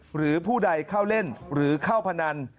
หรือผู้ใดเข้าเล่นหรือเข้าพนัน